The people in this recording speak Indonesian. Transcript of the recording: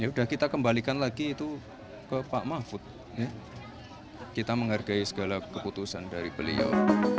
ya sudah kita kembalikan lagi itu ke pak mahfud kita menghargai segala keputusan dari beliau